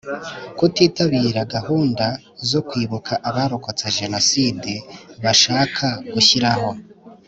Kutitabira gahunda zo kwibuka Abarokotse jenoside bashaka gushyiraho